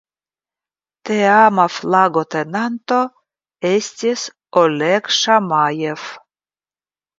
Teama flagotenanto estis "Oleg Ŝamajev".